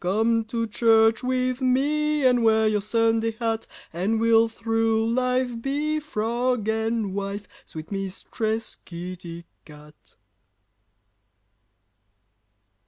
Come to church with me, And wear your Sunday hat; And we'll through life be Frog and wife, Sweet Mistress Kitty Cat!"